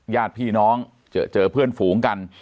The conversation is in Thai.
ญาติพี่น้องเจอเพื่อนฝูงกัน